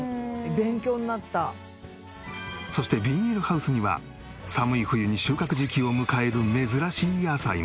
そしてビニールハウスには寒い冬に収穫時期を迎える珍しい野菜も。